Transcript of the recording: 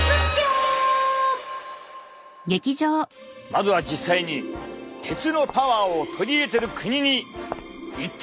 まずは実際に鉄のパワーを取り入れてる国に行ってみたぞ！